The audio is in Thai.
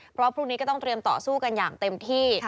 เพราะพรุ่งนี้ก็ต้องเตรียมต่อสู้กันอย่างเต็มที่